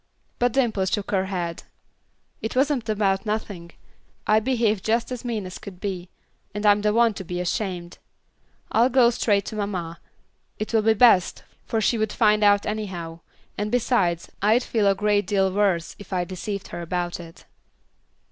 But Dimple shook her head. "It wasn't about nothing. I behaved just as mean as could be, and I'm the one to be ashamed. I'll go straight to mamma; it will be best, for she would find out anyhow, and besides, I'd feel a great deal worse if I deceived her about it."